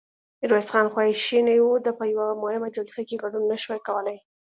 ميرويس خان خواشينی و، ده په يوه مهمه جلسه کې ګډون نه شوای کولای.